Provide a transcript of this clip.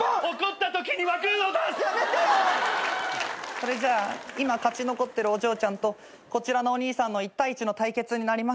それじゃあ今勝ち残ってるお嬢ちゃんとこちらのお兄さんの１対１の対決になります。